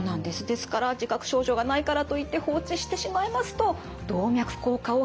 ですから自覚症状がないからといって放置してしまいますと動脈硬化を引き起こしてしまうんです。